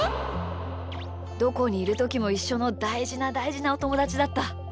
どこにいるときもいっしょのだいじなだいじなおともだちだった。